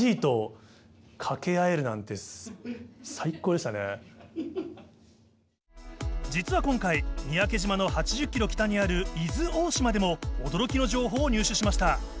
でもね実は今回三宅島の８０キロ北にある伊豆大島でも驚きの情報を入手しました。